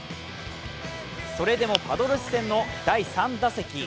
それでもパドレス戦の第３打席。